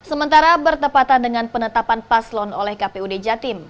sementara bertepatan dengan penetapan paslon oleh kpud jatim